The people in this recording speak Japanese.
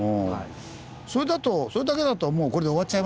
それだけだともうこれで終わっちゃいますけどね。